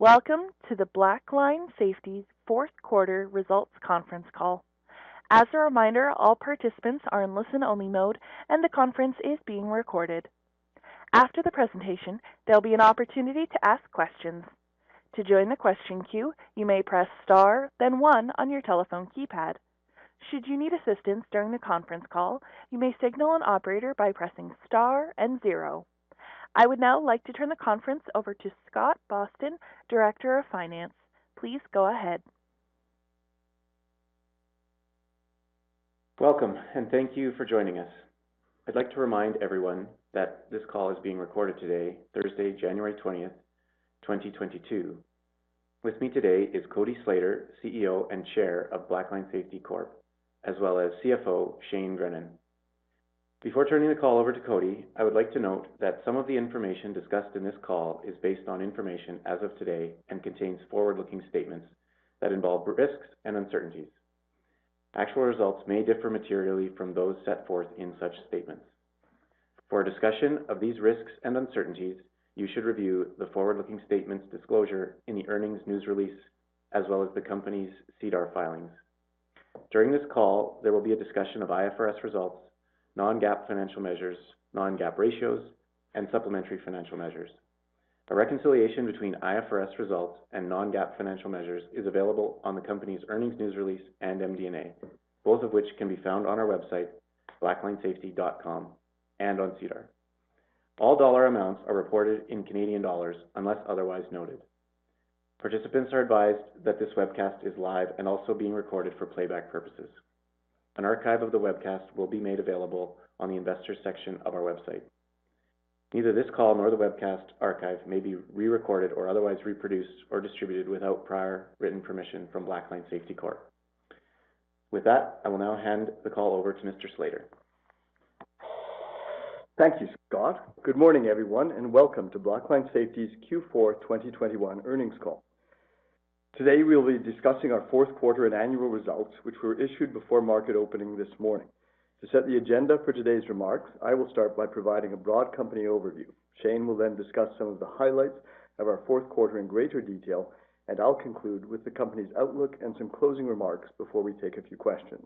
Welcome to the Blackline Safety fourth quarter results conference call. As a reminder, all participants are in listen-only mode, and the conference is being recorded. After the presentation, there'll be an opportunity to ask questions. To join the question queue, you may press star, then one on your telephone keypad. Should you need assistance during the conference call, you may signal an operator by pressing star and zero. I would now like to turn the conference over to Scott Boston, Director of Finance. Please go ahead. Welcome, and thank you for joining us. I'd like to remind everyone that this call is being recorded today, Thursday, January 20th, 2022. With me today is Cody Slater, CEO and Chair of Blackline Safety Corp., as well as CFO, Shane Grennan. Before turning the call over to Cody, I would like to note that some of the information discussed in this call is based on information as of today and contains forward-looking statements that involve risks and uncertainties. Actual results may differ materially from those set forth in such statements. For a discussion of these risks and uncertainties, you should review the forward-looking statements disclosure in the earnings news release, as well as the company's SEDAR filings. During this call, there will be a discussion of IFRS results, non-GAAP financial measures, non-GAAP ratios and supplementary financial measures. A reconciliation between IFRS results and non-GAAP financial measures is available on the company's earnings news release and MD&A, both of which can be found on our website, blacklinesafety.com, and on SEDAR. All dollar amounts are reported in Canadian dollars, unless otherwise noted. Participants are advised that this webcast is live and also being recorded for playback purposes. An archive of the webcast will be made available on the investor section of our website. Neither this call nor the webcast archive may be re-recorded or otherwise reproduced or distributed without prior written permission from Blackline Safety Corp. With that, I will now hand the call over to Mr. Slater. Thank you, Scott. Good morning, everyone, and welcome to Blackline Safety's Q4 2021 earnings call. Today, we'll be discussing our fourth quarter and annual results, which were issued before market opening this morning. To set the agenda for today's remarks, I will start by providing a broad company overview. Shane will then discuss some of the highlights of our fourth quarter in greater detail, and I'll conclude with the company's outlook and some closing remarks before we take a few questions.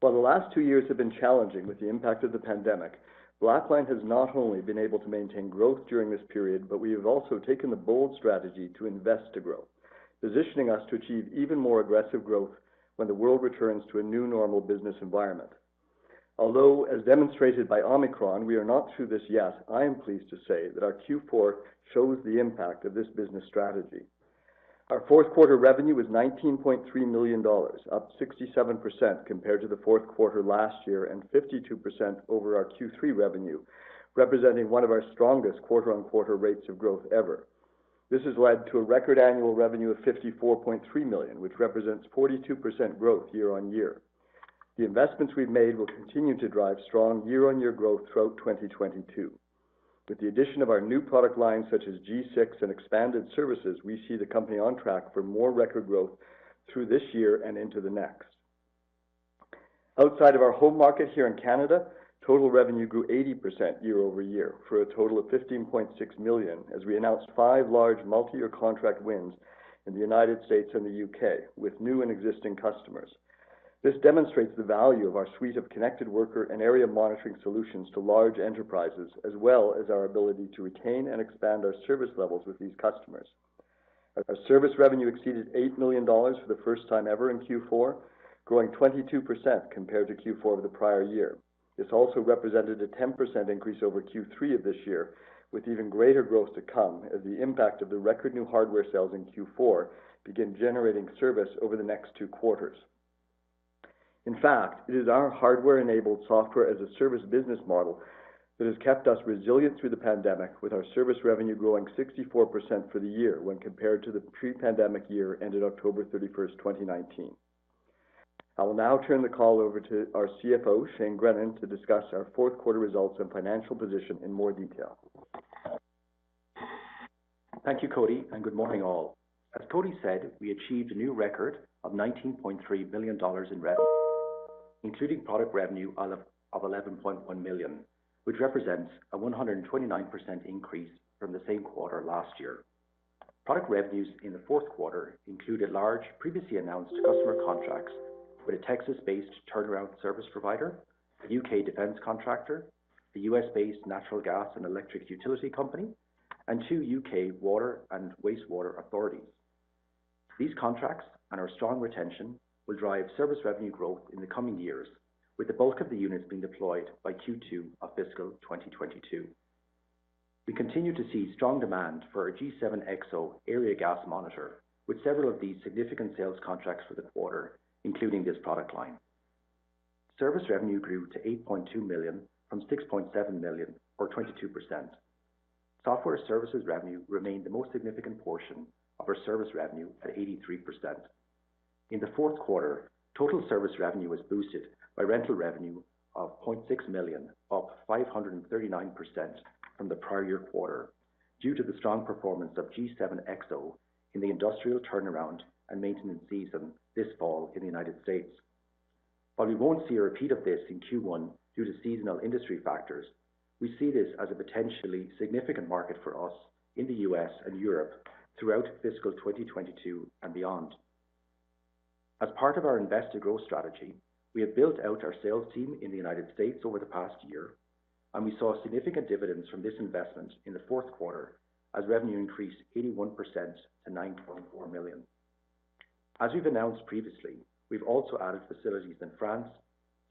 While the last 2 years have been challenging with the impact of the pandemic, Blackline has not only been able to maintain growth during this period, but we have also taken the bold strategy to invest to grow, positioning us to achieve even more aggressive growth when the world returns to a new normal business environment. Although, as demonstrated by Omicron, we are not through this yet, I am pleased to say that our Q4 shows the impact of this business strategy. Our fourth quarter revenue was 19.3 million dollars, up 67% compared to the fourth quarter last year and 52% over our Q3 revenue, representing one of our strongest quarter-on-quarter rates of growth ever. This has led to a record annual revenue of 54.3 million, which represents 42% growth year-on-year. The investments we've made will continue to drive strong year-on-year growth throughout 2022. With the addition of our new product lines such as G6 and expanded services, we see the company on track for more record growth through this year and into the next. Outside of our home market here in Canada, total revenue grew 80% year-over-year for a total of 15.6 million as we announced five large multi-year contract wins in the U.S. and the U.K. with new and existing customers. This demonstrates the value of our suite of connected worker and area monitoring solutions to large enterprises, as well as our ability to retain and expand our service levels with these customers. Our service revenue exceeded 8 million dollars for the first time ever in Q4, growing 22% compared to Q4 of the prior year. This also represented a 10% increase over Q3 of this year, with even greater growth to come as the impact of the record new hardware sales in Q4 begin generating service over the next two quarters. In fact, it is our hardware-enabled software as a service business model that has kept us resilient through the pandemic, with our service revenue growing 64% for the year when compared to the pre-pandemic year ended October 31st, 2019. I will now turn the call over to our CFO, Shane Grennan, to discuss our fourth quarter results and financial position in more detail. Thank you, Cody, and good morning, all. As Cody said, we achieved a new record of 19.3 million dollars in revenue, including product revenue of 11.1 million, which represents a 129% increase from the same quarter last year. Product revenues in the fourth quarter include a large previously announced customer contracts with a Texas-based turnaround service provider, a U.K. defense contractor, a U.S.-based natural gas and electric utility company, and two U.K. water and wastewater authorities. These contracts and our strong retention will drive service revenue growth in the coming years, with the bulk of the units being deployed by Q2 of fiscal 2022. We continue to see strong demand for our G7 EXO area gas monitor, with several of these significant sales contracts for the quarter, including this product line. Service revenue grew to 8.2 million from 6.7 million or 22%. Software services revenue remained the most significant portion of our service revenue at 83%. In the fourth quarter, total service revenue was boosted by rental revenue of 0.6 million, up 539% from the prior year quarter due to the strong performance of G7 EXO in the industrial turnaround and maintenance season this fall in the United States. We won't see a repeat of this in Q1 due to seasonal industry factors. We see this as a potentially significant market for us in the U.S. and Europe throughout fiscal 2022 and beyond. As part of our invested growth strategy, we have built out our sales team in the United States over the past year, and we saw significant dividends from this investment in the fourth quarter as revenue increased 81% to 9.4 million. As we've announced previously, we've also added facilities in France,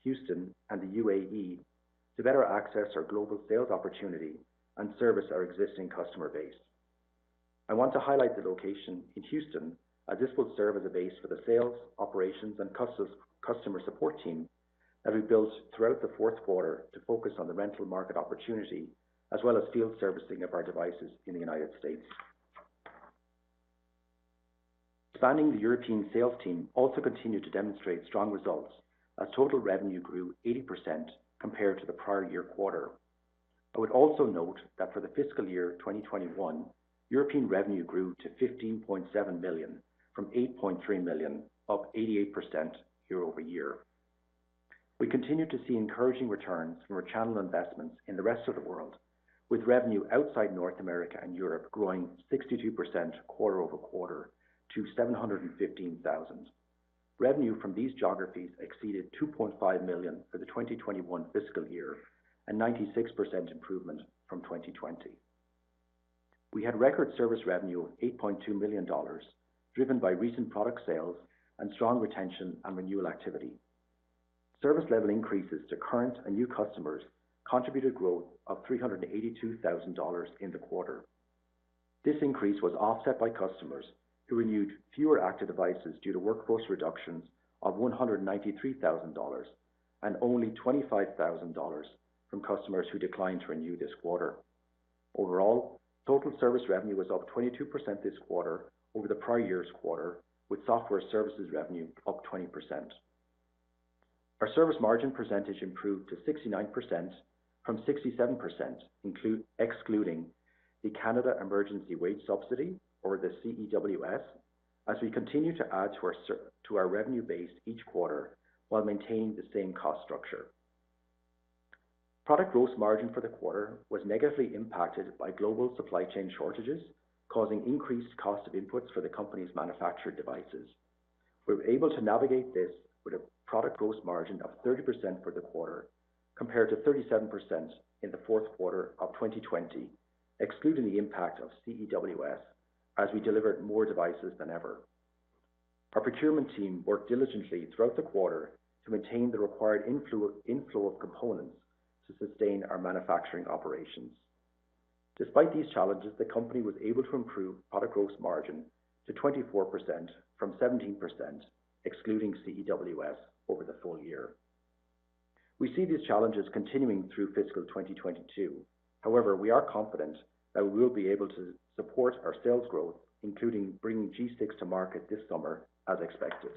Houston, and the UAE to better access our global sales opportunity and service our existing customer base. I want to highlight the location in Houston as this will serve as a base for the sales, operations, and customer support team that we built throughout the fourth quarter to focus on the rental market opportunity as well as field servicing of our devices in the United States. Expanding the European sales team also continued to demonstrate strong results as total revenue grew 80% compared to the prior year quarter. I would also note that for the fiscal year 2021, European revenue grew to 15.7 million from 8.3 million, up 88% year-over-year. We continue to see encouraging returns from our channel investments in the rest of the world, with revenue outside North America and Europe growing 62% quarter-over-quarter to 715,000. Revenue from these geographies exceeded 2.5 million for the 2021 fiscal year and 96% improvement from 2020. We had record service revenue of 8.2 million dollars, driven by recent product sales and strong retention and renewal activity. Service level increases to current and new customers contributed growth of 382,000 dollars in the quarter. This increase was offset by customers who renewed fewer active devices due to workforce reductions of 193,000 dollars and only 25,000 dollars from customers who declined to renew this quarter. Overall, total service revenue was up 22% this quarter over the prior year's quarter, with software services revenue up 20%. Our service margin percentage improved to 69% from 67%, excluding the Canada Emergency Wage Subsidy or the CEWS, as we continue to add to our revenue base each quarter while maintaining the same cost structure. Product gross margin for the quarter was negatively impacted by global supply chain shortages, causing increased cost of inputs for the company's manufactured devices. We were able to navigate this with a product gross margin of 30% for the quarter, compared to 37% in the fourth quarter of 2020, excluding the impact of CEWS as we delivered more devices than ever. Our procurement team worked diligently throughout the quarter to maintain the required inflow of components to sustain our manufacturing operations. Despite these challenges, the company was able to improve product gross margin to 24% from 17%, excluding CEWS over the full year. We see these challenges continuing through fiscal 2022. However, we are confident that we will be able to support our sales growth, including bringing G6 to market this summer as expected.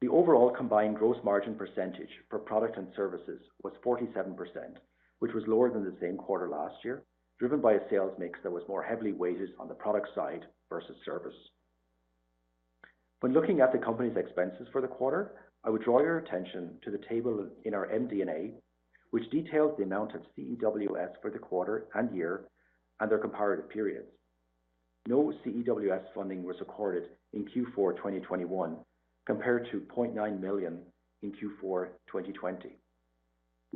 The overall combined gross margin percentage for product and services was 47%, which was lower than the same quarter last year, driven by a sales mix that was more heavily weighted on the product side versus service. When looking at the company's expenses for the quarter, I would draw your attention to the table in our MD&A, which details the amount of CEWS for the quarter and year and their comparative periods. No CEWS funding was recorded in Q4 2021, compared to 0.9 million in Q4 2020.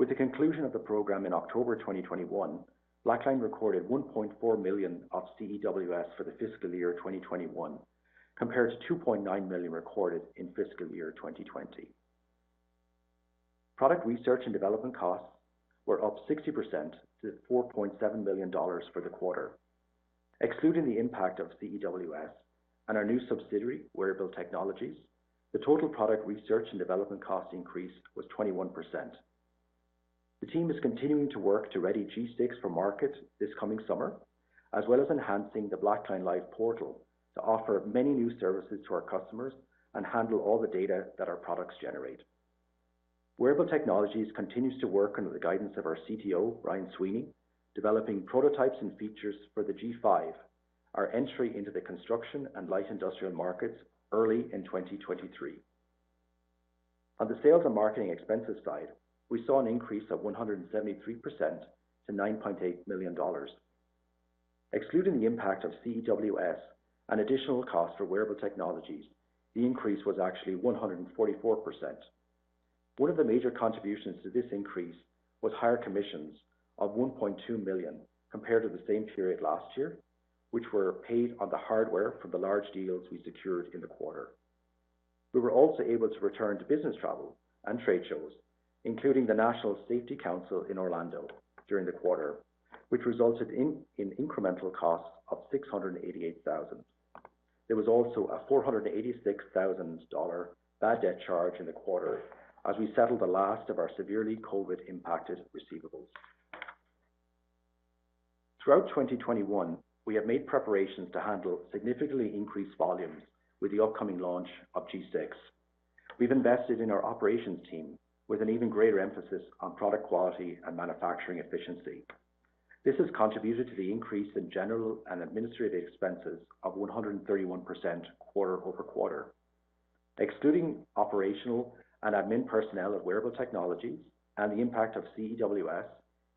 With the conclusion of the program in October 2021, Blackline Safety recorded 1.4 million of CEWS for the fiscal year 2021, compared to 2.9 million recorded in fiscal year 2020. Product research and development costs were up 60% to 4.7 million dollars for the quarter. Excluding the impact of CEWS and our new subsidiary, Wearable Technologies, the total product research and development cost increase was 21%. The team is continuing to work to ready G6 for market this coming summer, as well as enhancing the Blackline Live portal to offer many new services to our customers and handle all the data that our products generate. Wearable Technologies continues to work under the guidance of our CTO, Brian Sweeney, developing prototypes and features for the G5, our entry into the construction and light industrial markets early in 2023. On the sales and marketing expenses side, we saw an increase of 173% to 9.8 million dollars. Excluding the impact of CEWS and additional cost for Wearable Technologies, the increase was actually 144%. One of the major contributions to this increase was higher commissions of 1.2 million compared to the same period last year, which were paid on the hardware for the large deals we secured in the quarter. We were also able to return to business travel and trade shows, including the National Safety Council in Orlando during the quarter, which resulted in incremental costs of 688,000. There was also a 486,000 dollar bad debt charge in the quarter as we settled the last of our severely COVID-impacted receivables. Throughout 2021, we have made preparations to handle significantly increased volumes with the upcoming launch of G6. We've invested in our operations team with an even greater emphasis on product quality and manufacturing efficiency. This has contributed to the increase in general and administrative expenses of 131% quarter over quarter. Excluding operational and admin personnel at Wearable Technologies and the impact of CEWS,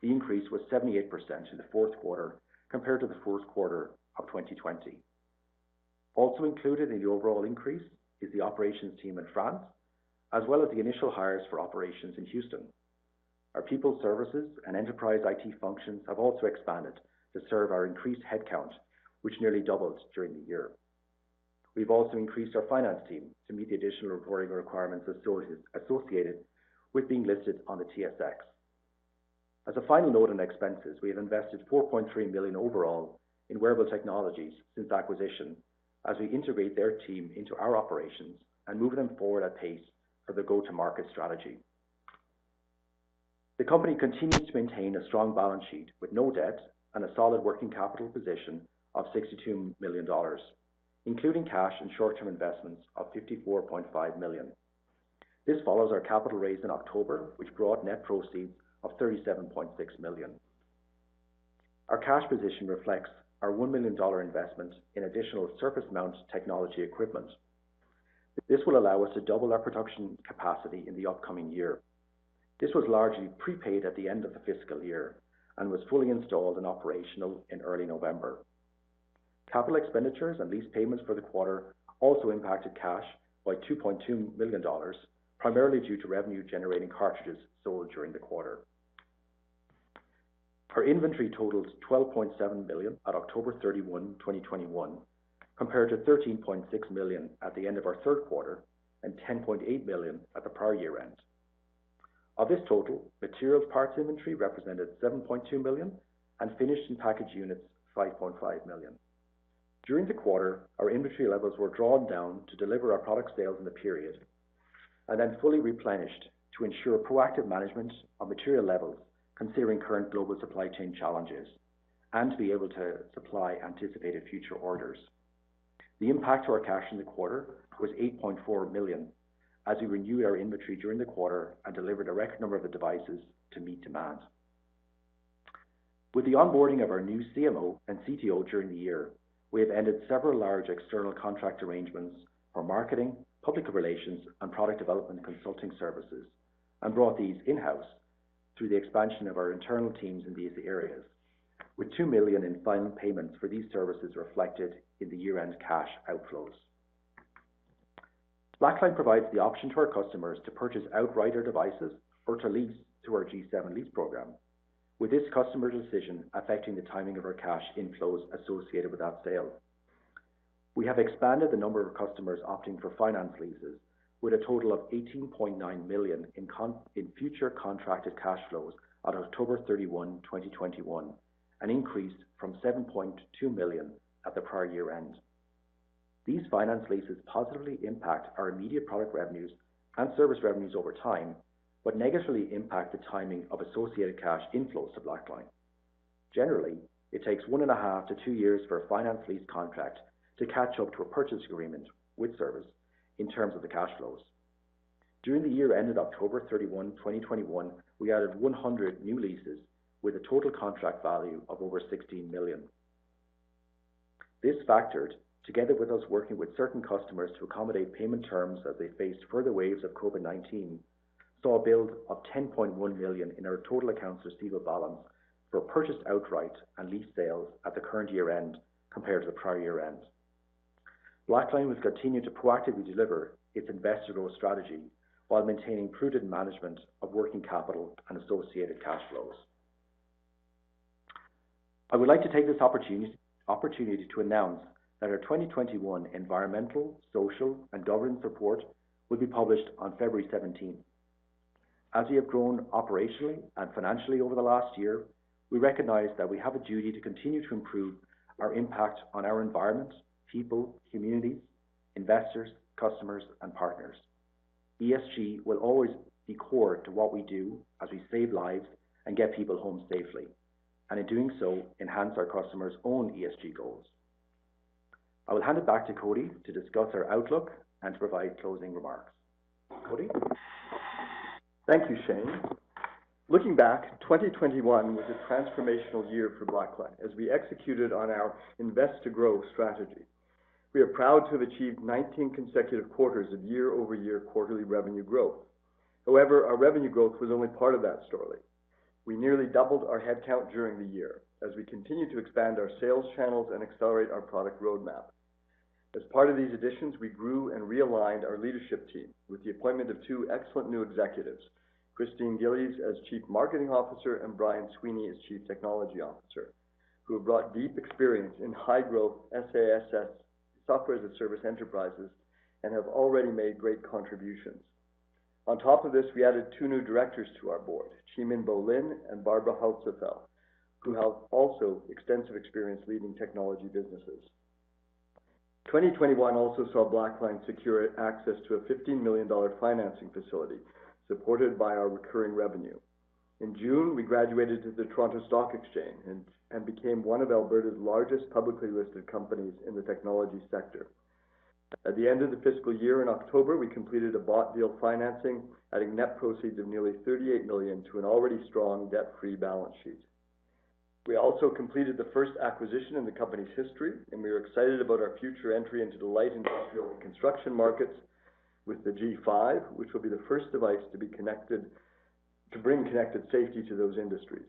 the increase was 78% in the fourth quarter compared to the fourth quarter of 2020. Also included in the overall increase is the operations team in France, as well as the initial hires for operations in Houston. Our people services and enterprise IT functions have also expanded to serve our increased headcount, which nearly doubled during the year. We've also increased our finance team to meet the additional reporting requirements associated with being listed on the TSX. As a final note on expenses, we have invested 4.3 million overall in Wearable Technologies since acquisition as we integrate their team into our operations and move them forward at pace for their go-to-market strategy. The company continues to maintain a strong balance sheet with no debt and a solid working capital position of 62 million dollars, including cash and short-term investments of 54.5 million. This follows our capital raise in October, which brought net proceeds of 37.6 million. Our cash position reflects our 1 million dollar investment in additional surface mount technology equipment. This will allow us to double our production capacity in the upcoming year. This was largely prepaid at the end of the fiscal year and was fully installed and operational in early November. Capital expenditures and lease payments for the quarter also impacted cash by 2.2 million dollars, primarily due to revenue-generating cartridges sold during the quarter. Our inventory totals 12.7 million at October 31, 2021, compared to 13.6 million at the end of our third quarter and 10.8 million at the prior year-end. Of this total, materials parts inventory represented 7.2 million and finished in package units 5.5 million. During the quarter, our inventory levels were drawn down to deliver our product sales in the period and then fully replenished to ensure proactive management of material levels considering current global supply chain challenges and to be able to supply anticipated future orders. The impact to our cash in the quarter was 8.4 million as we renewed our inventory during the quarter and delivered a record number of devices to meet demand. With the onboarding of our new CMO and CTO during the year, we have ended several large external contract arrangements for marketing, public relations, and product development consulting services and brought these in-house through the expansion of our internal teams in these areas, with 2 million in final payments for these services reflected in the year-end cash outflows. Blackline provides the option to our customers to purchase outright devices or to lease through our G7 lease program. With this customer decision affecting the timing of our cash inflows associated with that sale. We have expanded the number of customers opting for finance leases with a total of 18.9 million in future contracted cash flows at October 31, 2021, an increase from 7.2 million at the prior year-end. These finance leases positively impact our immediate product revenues and service revenues over time, but negatively impact the timing of associated cash inflows to Blackline. Generally, it takes 1.5-2 years for a finance lease contract to catch up to a purchase agreement with service in terms of the cash flows. During the year ended October 31, 2021, we added 100 new leases with a total contract value of over 16 million. This factored together with us working with certain customers to accommodate payment terms as they face further waves of COVID-19, saw a build of 10.1 million in our total accounts receivable balance for purchased outright and lease sales at the current year-end compared to the prior year-end. Blackline Safety has continued to proactively deliver its Invest to Grow strategy while maintaining prudent management of working capital and associated cash flows. I would like to take this opportunity to announce that our 2021 Environmental, Social, and Governance Report will be published on February 17th. As we have grown operationally and financially over the last year, we recognize that we have a duty to continue to improve our impact on our environment, people, communities, investors, customers, and partners. ESG will always be core to what we do as we save lives and get people home safely, and in doing so, enhance our customers' own ESG goals. I will hand it back to Cody to discuss our outlook and to provide closing remarks. Cody? Thank you, Shane. Looking back, 2021 was a transformational year for Blackline as we executed on our Invest to Grow strategy. We are proud to have achieved 19 consecutive quarters of year-over-year quarterly revenue growth. However, our revenue growth was only part of that story. We nearly doubled our headcount during the year as we continued to expand our sales channels and accelerate our product roadmap. As part of these additions, we grew and realigned our leadership team with the appointment of two excellent new executives, Christine Gillies as Chief Marketing Officer, and Brian Sweeney as Chief Technology Officer, who have brought deep experience in high-growth SaaS, software as a service enterprises, and have already made great contributions. On top of this, we added two new directors to our board, Cheemin Bo-Linn and Barbara Holzapfel, who have also extensive experience leading technology businesses. 2021 also saw Blackline secure access to a 15 million dollar financing facility supported by our recurring revenue. In June, we graduated to the Toronto Stock Exchange and became one of Alberta's largest publicly listed companies in the technology sector. At the end of the fiscal year in October, we completed a bought deal financing, adding net proceeds of nearly 38 million to an already strong debt-free balance sheet. We also completed the first acquisition in the company's history, and we are excited about our future entry into the light industrial construction markets with the G5, which will be the first device to be connected to bring connected safety to those industries.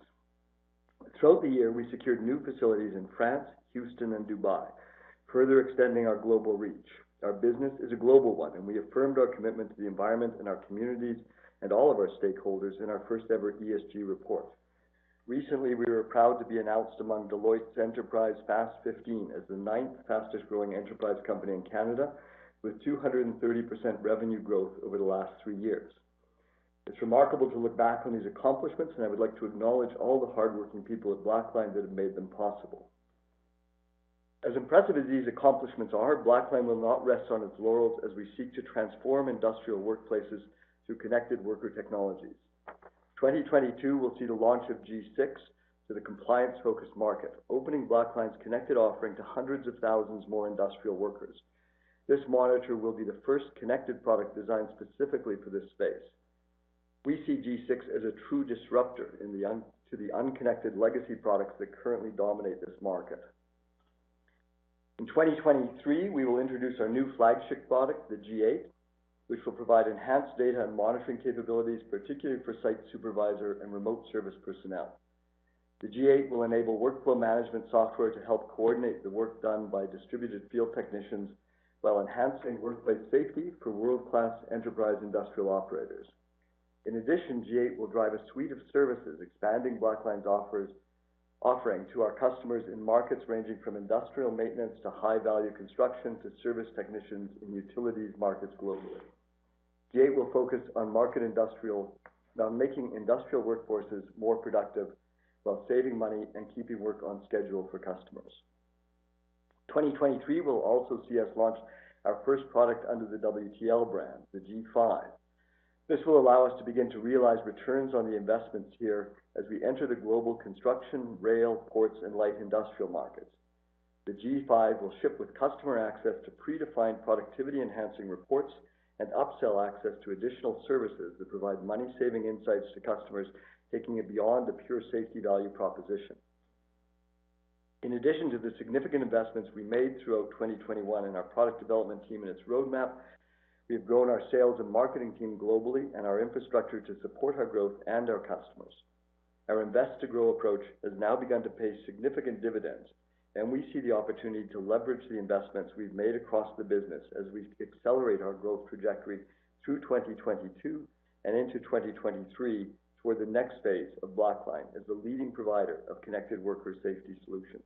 Throughout the year, we secured new facilities in France, Houston, and Dubai, further extending our global reach. Our business is a global one, and we affirmed our commitment to the environment and our communities and all of our stakeholders in our first ever ESG report. Recently, we were proud to be announced among Deloitte's Enterprise Fast 15 as the ninth fastest growing enterprise company in Canada, with 230% revenue growth over the last 3 years. It's remarkable to look back on these accomplishments, and I would like to acknowledge all the hardworking people at Blackline that have made them possible. As impressive as these accomplishments are, Blackline will not rest on its laurels as we seek to transform industrial workplaces through connected worker technologies. 2022 will see the launch of G6 to the compliance focused market, opening Blackline's connected offering to hundreds of thousands more industrial workers. This monitor will be the first connected product designed specifically for this space. We see G6 as a true disruptor to the unconnected legacy products that currently dominate this market. In 2023, we will introduce our new flagship product, the G8, which will provide enhanced data and monitoring capabilities, particularly for site supervisor and remote service personnel. The G8 will enable workflow management software to help coordinate the work done by distributed field technicians while enhancing workplace safety for world-class enterprise industrial operators. In addition, G8 will drive a suite of services expanding Blackline's offering to our customers in markets ranging from industrial maintenance to high value construction to service technicians in utilities markets globally. G8 will focus on making industrial workforces more productive while saving money and keeping work on schedule for customers. 2023 will also see us launch our first product under the WTL brand, the G5. This will allow us to begin to realize returns on the investments here as we enter the global construction, rail, ports, and light industrial markets. The G5 will ship with customer access to predefined productivity enhancing reports and upsell access to additional services that provide money saving insights to customers, taking it beyond the pure safety value proposition. In addition to the significant investments we made throughout 2021 in our product development team and its roadmap, we have grown our sales and marketing team globally and our infrastructure to support our growth and our customers. Our Invest to Grow approach has now begun to pay significant dividends, and we see the opportunity to leverage the investments we've made across the business as we accelerate our growth trajectory through 2022 and into 2023 toward the next phase of Blackline as the leading provider of connected worker safety solutions.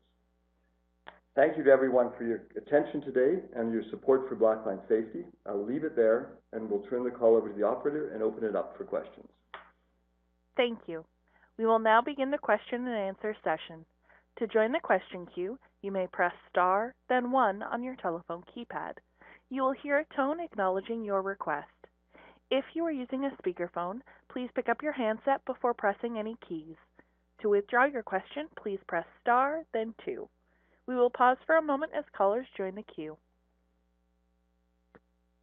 Thank you to everyone for your attention today and your support for Blackline Safety. I'll leave it there, and we'll turn the call over to the operator and open it up for questions. Thank you. We will now begin the question and answer session. To join the question queue, you may press star then one on your telephone keypad. You will hear a tone acknowledging your request. If you are using a speakerphone, please pick up your handset before pressing any keys. To withdraw your question, please press star then two. We will pause for a moment as callers join the queue.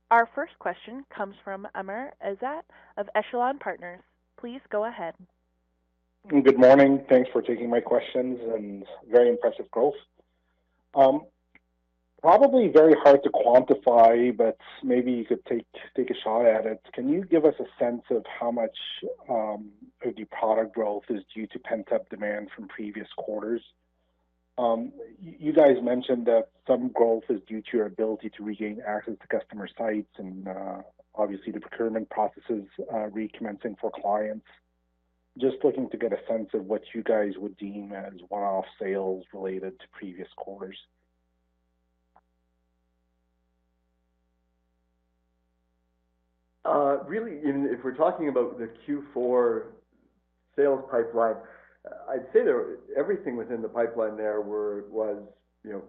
Our first question comes from Amr Ezzat of Echelon Partners. Please go ahead. Good morning. Thanks for taking my questions and very impressive growth. Probably very hard to quantify, but maybe you could take a shot at it. Can you give us a sense of how much of your product growth is due to pent-up demand from previous quarters? You guys mentioned that some growth is due to your ability to regain access to customer sites and obviously the procurement processes recommencing for clients. Just looking to get a sense of what you guys would deem as one-off sales related to previous quarters. Really, even if we're talking about the Q4 sales pipeline, I'd say everything within the pipeline was, you know,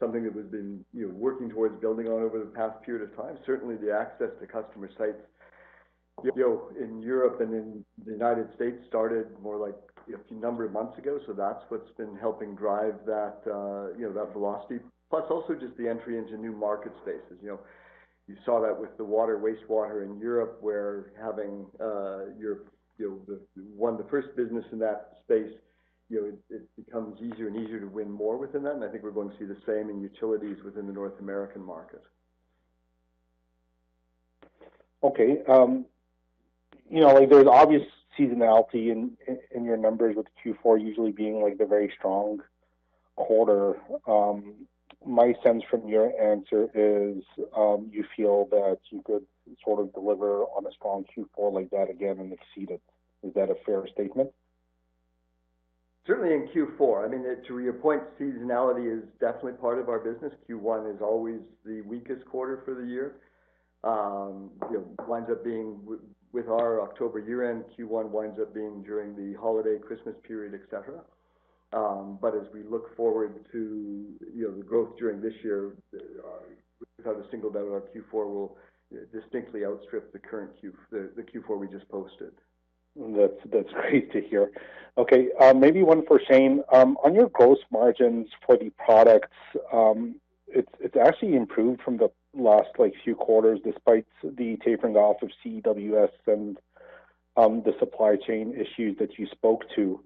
something that we've been, you know, working towards building on over the past period of time. Certainly the access to customer sites, you know, in Europe and in the United States started more like a number of months ago. So that's what's been helping drive that, you know, that velocity. Plus also just the entry into new market spaces. You know, you saw that with the water, wastewater in Europe, where having, you know, the one of the first business in that space, you know, it becomes easier and easier to win more within that. I think we're going to see the same in utilities within the North American market. Okay. You know, like, there's obvious seasonality in your numbers with Q4 usually being, like, the very strong quarter. My sense from your answer is, you feel that you could sort of deliver on a strong Q4 like that again and exceed it. Is that a fair statement? Certainly in Q4. I mean, to your point, seasonality is definitely part of our business. Q1 is always the weakest quarter for the year. You know, it winds up being with our October year-end, Q1 winds up being during the holiday Christmas period, et cetera. But as we look forward to, you know, the growth during this year, we've had no doubt that Q4 will distinctly outstrip the current Q4 we just posted. That's great to hear. Okay, maybe one for Shane. On your gross margins for the products, it's actually improved from the last like few quarters despite the tapering off of CEWS and the supply chain issues that you spoke to.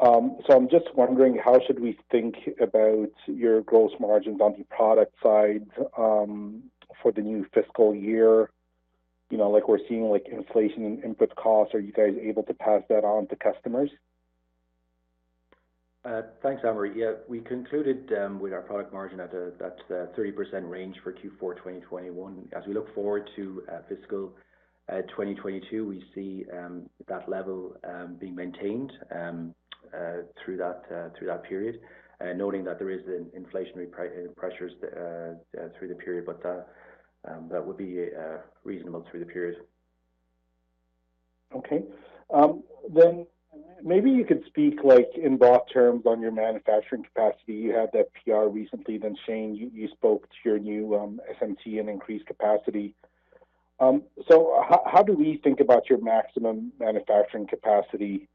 I'm just wondering how should we think about your gross margins on the product side for the new fiscal year? You know, like we're seeing like inflation in input costs. Are you guys able to pass that on to customers? Thanks, Amr. Yeah, we concluded with our product margin at 30% range for Q4 2021. As we look forward to fiscal 2022, we see that level being maintained through that period, noting that there is an inflationary pressures through the period, but that would be reasonable through the period. Okay. Maybe you could speak like in broad terms on your manufacturing capacity. You had that PR recently, Shane, you spoke to your new SMT and increased capacity. How do we think about your maximum manufacturing capacity?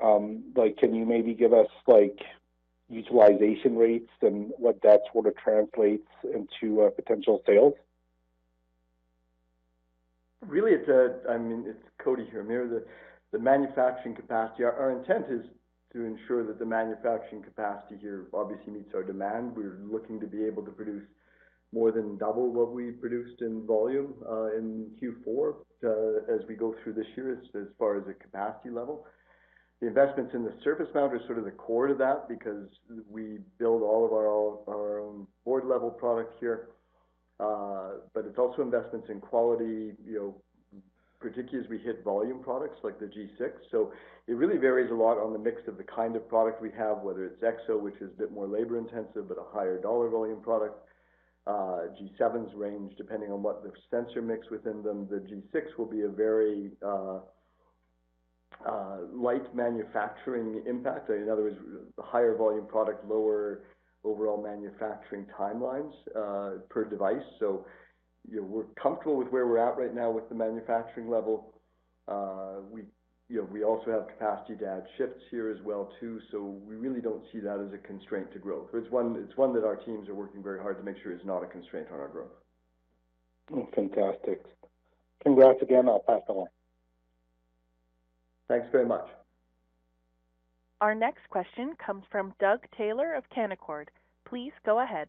Like, can you maybe give us like utilization rates and what that sort of translates into potential sales? Really, it's Cody here, Amr. Our intent is to ensure that the manufacturing capacity here obviously meets our demand. We're looking to be able to produce more than double what we produced in volume in Q4 as we go through this year as far as the capacity level. The investments in the surface mount are sort of the core to that because we build all of our own board-level product here. But it's also investments in quality, you know, particularly as we hit volume products like the G6. It really varies a lot on the mix of the kind of product we have, whether it's EXO, which is a bit more labor-intensive, but a higher dollar volume product. G7's range, depending on what the sensor mix within them. The G6 will be a very light manufacturing impact. In other words, higher volume product, lower overall manufacturing timelines per device. You know, we're comfortable with where we're at right now with the manufacturing level. You know, we also have capacity to add shifts here as well too, so we really don't see that as a constraint to growth. It's one that our teams are working very hard to make sure is not a constraint on our growth. Fantastic. Congrats again. I'll pass it on. Thanks very much. Our next question comes from Doug Taylor of Canaccord. Please go ahead.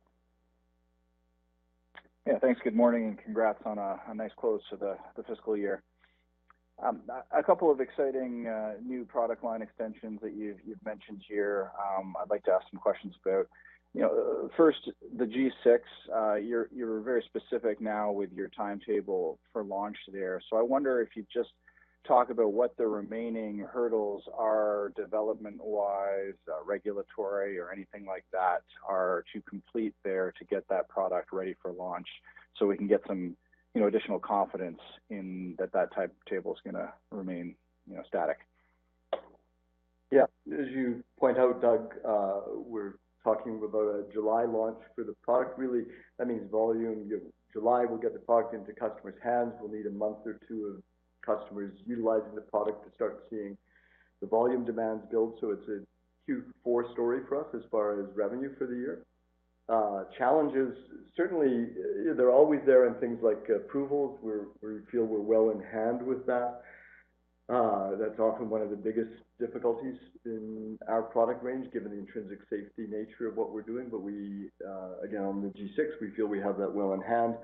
Yeah, thanks, good morning, and congrats on a nice close to the fiscal year. A couple of exciting new product line extensions that you've mentioned here, I'd like to ask some questions about. You know, first, the G6, you're very specific now with your timetable for launch there. So I wonder if you'd just talk about what the remaining hurdles are development-wise, regulatory or anything like that, are to complete there to get that product ready for launch so we can get some, you know, additional confidence in that timetable is gonna remain, you know, static. Yeah. As you point out, Doug, we're talking about a July launch for the product. Really, that means volume. You know, July, we'll get the product into customers' hands. We'll need a month or two of customers utilizing the product to start seeing the volume demands build. It's a Q4 story for us as far as revenue for the year. Challenges, certainly, they're always there in things like approvals. We feel we're well in hand with that. That's often one of the biggest difficulties in our product range, given the intrinsic safety nature of what we're doing. But again, on the G6, we feel we have that well in hand.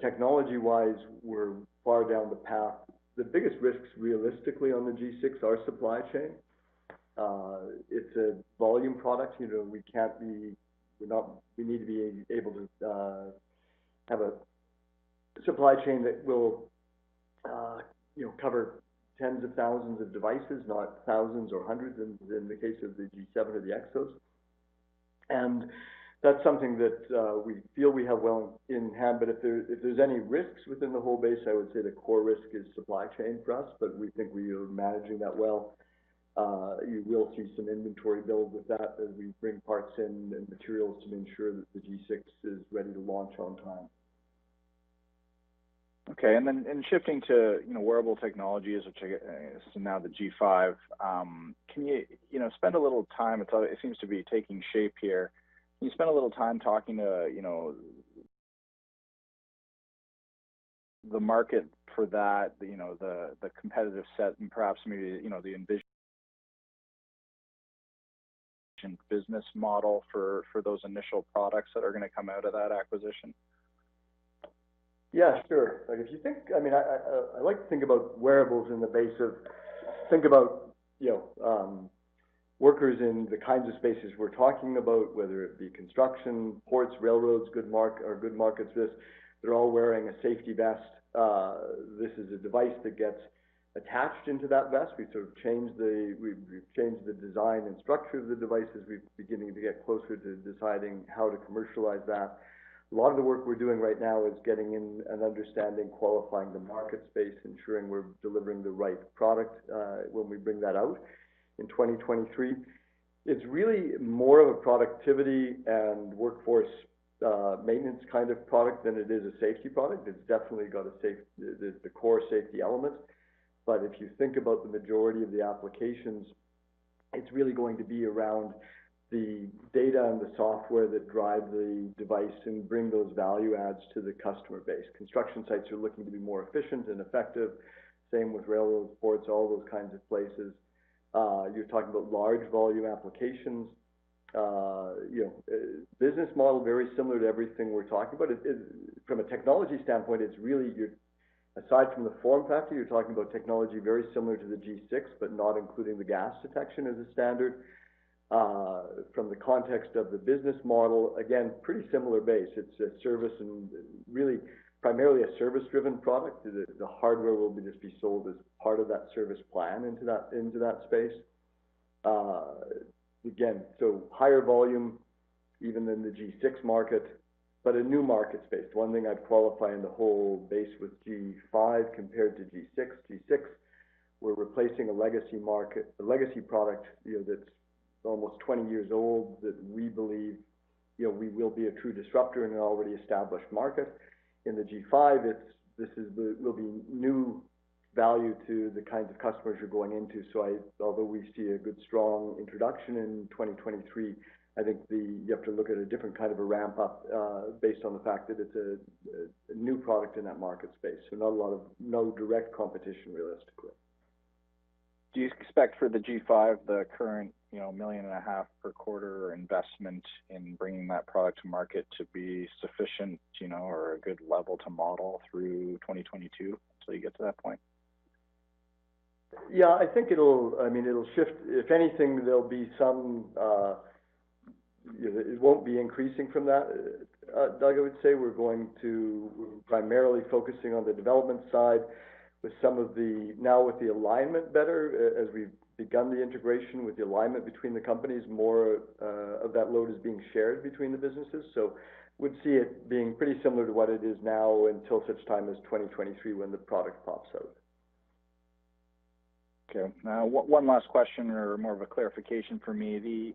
Technology-wise, we're far down the path. The biggest risks realistically on the G6 are supply chain. It's a volume product. You know, we can't be- We need to be able to have a supply chain that will, you know, cover tens of thousands of devices, not thousands or hundreds in the case of the G7 or the EXOs. That's something that we feel we have well in hand. If there's any risks within the whole base, I would say the core risk is supply chain for us, but we think we are managing that well. You will see some inventory build with that as we bring parts in and materials to ensure that the G6 is ready to launch on time. Okay. Shifting to, you know, wearable technology, which I get. So now the G5, can you know, spend a little time? It seems to be taking shape here. Can you spend a little time talking to, you know, the market for that, you know, the competitive set, and perhaps maybe, you know, the envisioned business model for those initial products that are gonna come out of that acquisition? Yeah, sure. Like if you think, I mean, I like to think about wearables in the best way to think about, you know, workers in the kinds of spaces we're talking about, whether it be construction, ports, railroads, are good markets. They're all wearing a safety vest. This is a device that gets attached into that vest. We sort of changed the, we've changed the design and structure of the devices. We're beginning to get closer to deciding how to commercialize that. A lot of the work we're doing right now is getting an understanding, qualifying the market space, ensuring we're delivering the right product, when we bring that out in 2023. It's really more of a productivity and workforce maintenance kind of product than it is a safety product. It's definitely got the core safety elements. If you think about the majority of the applications, it's really going to be around the data and the software that drive the device and bring those value adds to the customer base. Construction sites are looking to be more efficient and effective, same with railroad ports, all those kinds of places. You're talking about large volume applications. You know, business model, very similar to everything we're talking about. From a technology standpoint, aside from the form factor, you're talking about technology very similar to the G6, but not including the gas detection as a standard. From the context of the business model, again, pretty similar base. It's a service and really primarily a service-driven product. The hardware will just be sold as part of that service plan into that space. Again, higher volume even than the G6 market, but a new market space. One thing I'd qualify in the whole base with G5 compared to G6. G6, we're replacing a legacy market, a legacy product, you know, that's almost 20 years old that we believe, you know, we will be a true disruptor in an already established market. In the G5, it's this will be new value to the kinds of customers you're going into. Although we see a good, strong introduction in 2023, I think you have to look at a different kind of a ramp up, based on the fact that it's a new product in that market space. No direct competition, realistically. Do you expect for the G5, the current, you know, 1.5 million per quarter investment in bringing that product to market to be sufficient, you know, or a good level to model through 2022 until you get to that point? Yeah, I think it'll shift. I mean, it'll shift. If anything, there'll be some, you know, it won't be increasing from that, Doug, I would say. We're primarily focusing on the development side with some of the. Now with the alignment better, as we've begun the integration with the alignment between the companies, more of that load is being shared between the businesses. Would see it being pretty similar to what it is now until such time as 2023 when the product pops out. Okay. Now one last question or more of a clarification for me.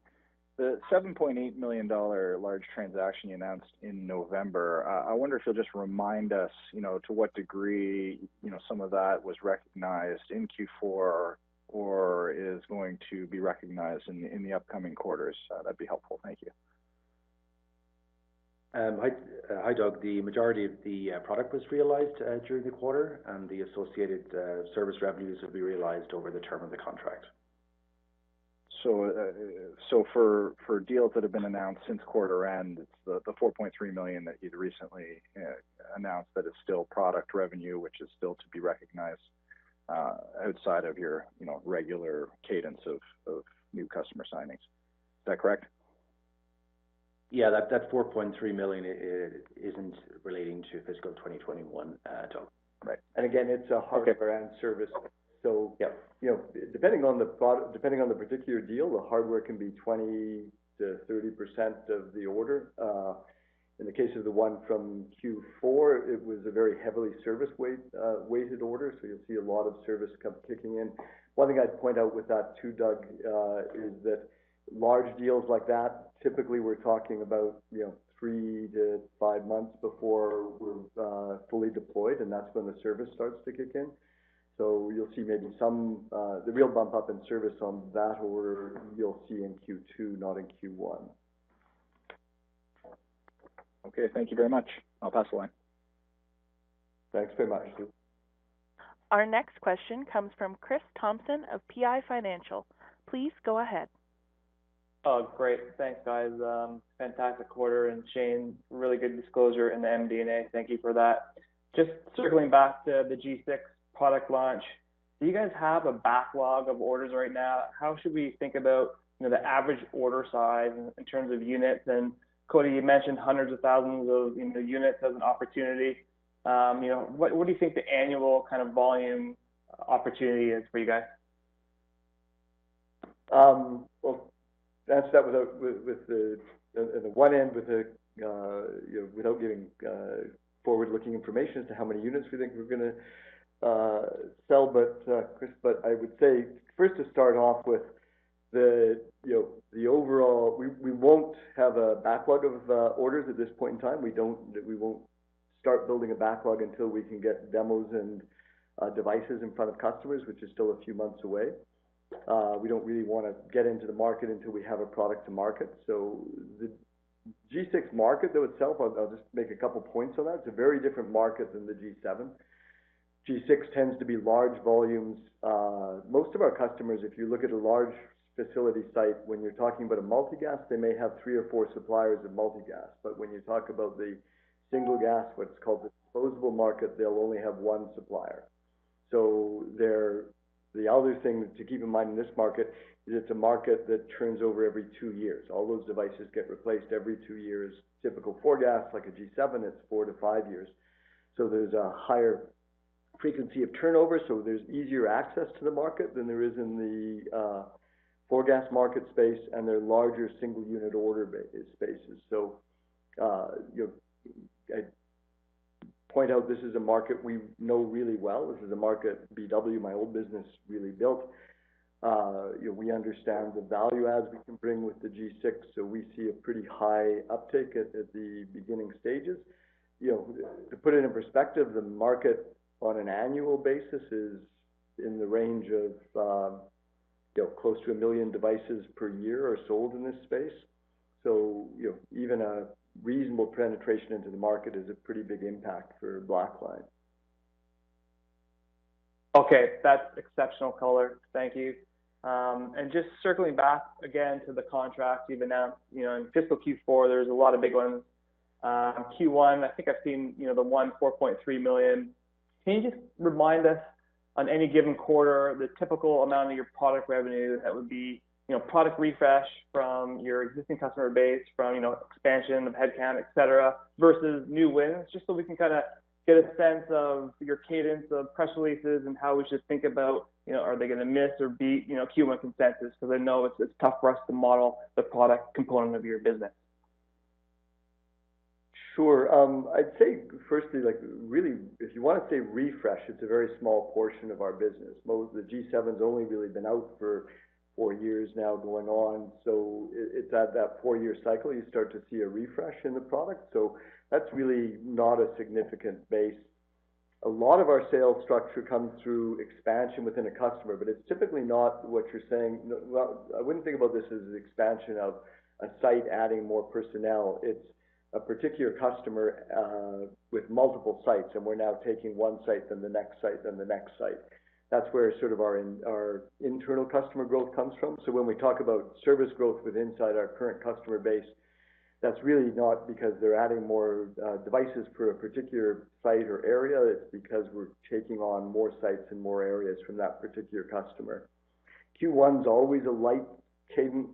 The 7.8 million dollar large transaction you announced in November, I wonder if you'll just remind us, you know, to what degree, you know, some of that was recognized in Q4 or is going to be recognized in the upcoming quarters. That'd be helpful. Thank you. Hi, Doug. The majority of the product was realized during the quarter, and the associated service revenues will be realized over the term of the contract. For deals that have been announced since quarter end, it's the 4.3 million that you'd recently announced that is still product revenue, which is still to be recognized outside of your, you know, regular cadence of new customer signings. Is that correct? Yeah. That 4.3 million isn't relating to fiscal 2021, Doug. Right. Again, it's a hardware- Okay. -and service. So- Yeah. You know, depending on the particular deal, the hardware can be 20%-30% of the order. In the case of the one from Q4, it was a very heavily service weighted order, so you'll see a lot of service come kicking in. One thing I'd point out with that too, Doug, is that large deals like that, typically, we're talking about, you know, 3-5 months before we're fully deployed, and that's when the service starts to kick in. You'll see maybe some the real bump up in service on that order you'll see in Q2, not in Q1. Okay. Thank you very much. I'll pass the line. Thanks very much. Thank you. Our next question comes from Chris Thompson of PI Financial. Please go ahead. Oh, great. Thanks, guys. Fantastic quarter, and Shane, really good disclosure in the MD&A. Thank you for that. Just circling back to the G6 product launch, do you guys have a backlog of orders right now? How should we think about, you know, the average order size in terms of units? And Cody, you mentioned hundreds of thousands of, you know, units as an opportunity. You know, what do you think the annual kind of volume opportunity is for you guys? Well, to answer that without giving forward-looking information as to how many units we think we're gonna sell. Chris, I would say first to start off with, you know, we won't have a backlog of orders at this point in time. We won't start building a backlog until we can get demos and devices in front of customers, which is still a few months away. We don't really wanna get into the market until we have a product to market. The G6 market though itself, I'll just make a couple points on that. It's a very different market than the G7. G6 tends to be large volumes. Most of our customers, if you look at a large facility site, when you're talking about a multi-gas, they may have three or four suppliers of multi-gas. But when you talk about the single gas, what's called disposable market, they'll only have one supplier. The other thing to keep in mind in this market is it's a market that turns over every 2 years. All those devices get replaced every 2 years. Typical four-gas, like a G7, it's 4-5 years. There's a higher frequency of turnover, so there's easier access to the market than there is in the four-gas market space, and they're larger single-unit order batch sizes. You know, I point out this is a market we know really well. This is a market BW Technologies, my old business, really built. You know, we understand the value adds we can bring with the G6, so we see a pretty high uptake at the beginning stages. You know, to put it in perspective, the market on an annual basis is in the range of, you know, close to 1 million devices per year are sold in this space. You know, even a reasonable penetration into the market is a pretty big impact for Blackline. Okay. That's exceptional color. Thank you. Just circling back again to the contracts you've announced. You know, in fiscal Q4, there's a lot of big ones. Q1, I think I've seen, you know, the one 4.3 million. Can you just remind us on any given quarter the typical amount of your product revenue that would be, you know, product refresh from your existing customer base from, you know, expansion of headcount, et cetera, versus new wins, just so we can kinda get a sense of your cadence of press releases and how we should think about, you know, are they gonna miss or beat, you know, Q1 consensus? Because I know it's tough for us to model the product component of your business. Sure. I'd say firstly, like, really, if you wanna say refresh, it's a very small portion of our business. The G7's only really been out for 4 years now going on, so it's at that 4-year cycle, you start to see a refresh in the product. That's really not a significant base. A lot of our sales structure comes through expansion within a customer, but it's typically not what you're saying. Well, I wouldn't think about this as an expansion of a site adding more personnel. It's a particular customer with multiple sites, and we're now taking one site, then the next site, then the next site. That's where sort of our internal customer growth comes from. When we talk about service growth within our current customer base, that's really not because they're adding more, devices for a particular site or area. It's because we're taking on more sites and more areas from that particular customer. Q1's always a light cadence.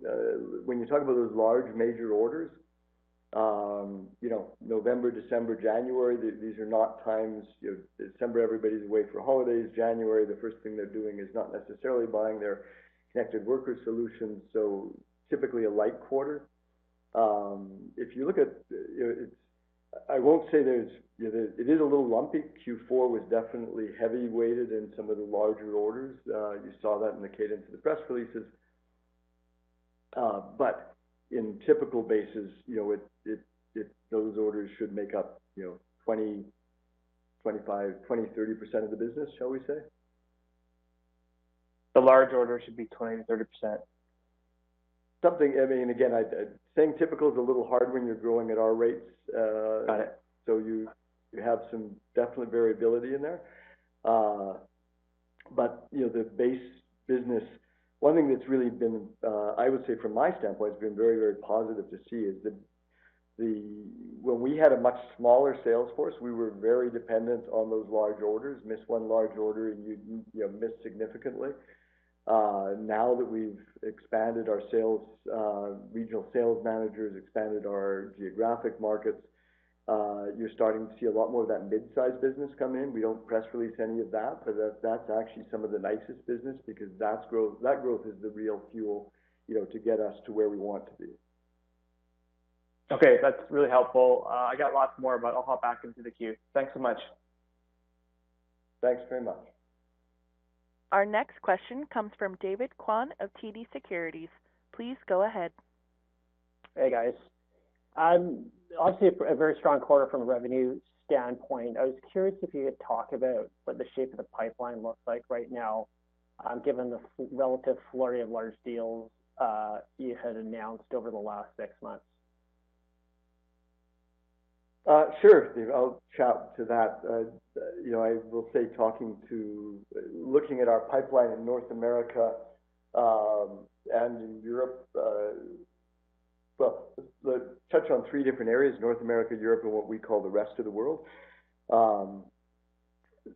When you talk about those large major orders, you know, November, December, January, these are not times, you know, December, everybody's away for holidays. January, the first thing they're doing is not necessarily buying their connected worker solutions, so typically a light quarter. If you look at, you know, it's. I won't say there's, you know, it is a little lumpy. Q4 was definitely heavily weighted in some of the larger orders. You saw that in the cadence of the press releases. On a typical basis, you know, those orders should make up, you know, 20%-25%, 20%-30% of the business, shall we say. The large orders should be 20%-30%. I mean, again, saying typical is a little hard when you're growing at our rate. Got it. You have some definite variability in there. You know, the base business. One thing that's really been, I would say from my standpoint, very, very positive to see is, when we had a much smaller sales force, we were very dependent on those large orders. Miss one large order, and you'd, you know, miss significantly. Now that we've expanded our sales regional sales managers, expanded our geographic markets, you're starting to see a lot more of that mid-sized business come in. We don't press release any of that, but that's actually some of the nicest business because that's growth is the real fuel, you know, to get us to where we want to be. Okay. That's really helpful. I got lots more, but I'll hop back into the queue. Thanks so much. Thanks very much. Our next question comes from David Kwan of TD Securities. Please go ahead. Hey, guys. Obviously a very strong quarter from a revenue standpoint. I was curious if you could talk about what the shape of the pipeline looks like right now, given the relative flurry of large deals you had announced over the last 6 months. Sure, David. I'll chat to that. You know, I will say looking at our pipeline in North America, and in Europe. Well, let's touch on three different areas, North America, Europe, and what we call the rest of the world.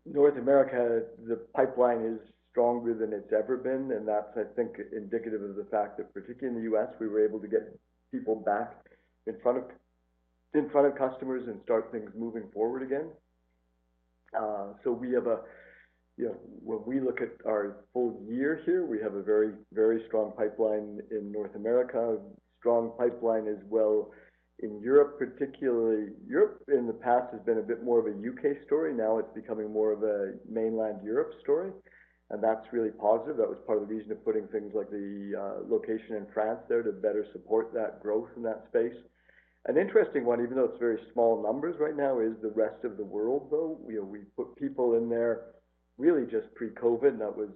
North America, the pipeline is stronger than it's ever been, and that's, I think, indicative of the fact that particularly in the U.S., we were able to get people back in front of customers and start things moving forward again. So we have a, you know, when we look at our full year here, we have a very, very strong pipeline in North America, strong pipeline as well in Europe particularly. Europe in the past has been a bit more of a U.K. story. Now it's becoming more of a mainland Europe story, and that's really positive. That was part of the reason of putting things like the location in France there to better support that growth in that space. An interesting one, even though it's very small numbers right now, is the rest of the world, though. You know, we put people in there really just pre-COVID, and that was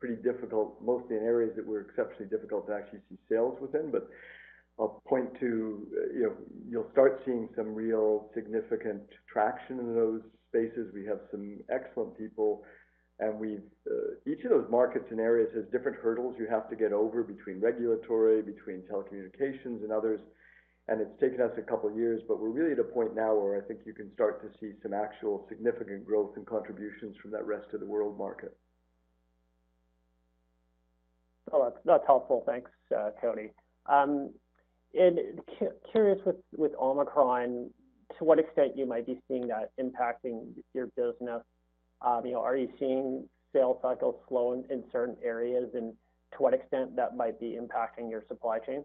pretty difficult, mostly in areas that were exceptionally difficult to actually see sales within. But I'll point to, you know, you'll start seeing some real significant traction in those spaces. We have some excellent people. Each of those markets and areas has different hurdles you have to get over between regulatory, between telecommunications and others, and it's taken us a couple years, but we're really at a point now where I think you can start to see some actual significant growth and contributions from that rest of the world market. That's helpful. Thanks, Cody. Curious with Omicron, to what extent you might be seeing that impacting your business. You know, are you seeing sales cycles slowing in certain areas, and to what extent that might be impacting your supply chains?